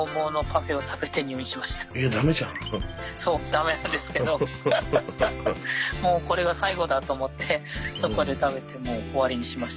駄目なんですけどもうこれが最後だと思ってそこで食べてもう終わりにしました。